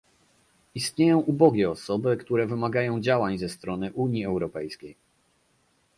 Istnieją ubogie osoby, które wymagają działań ze strony Unii Europejskiej